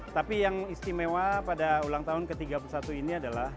tapi yang istimewa pada ulang tahun ke tiga puluh satu ini adalah